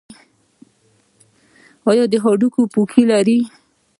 ایا د هډوکو پوکي لرئ؟